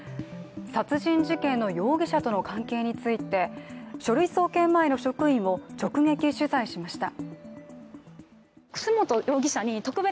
殺人事件の容疑者との関係について、書類送検前の職員を直撃取材しました。